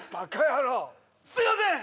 すみません！